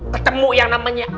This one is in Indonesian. ketemu yang namanya